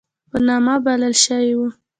په نامه بلل شوی وو.